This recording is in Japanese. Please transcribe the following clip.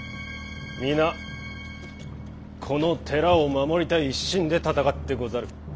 皆この寺を守りたい一心で戦ってござる。